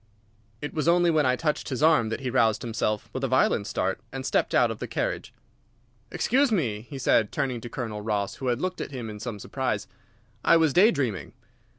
It was only when I touched his arm that he roused himself with a violent start and stepped out of the carriage. "Excuse me," said he, turning to Colonel Ross, who had looked at him in some surprise. "I was day dreaming."